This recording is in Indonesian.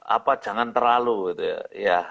apa jangan terlalu gitu ya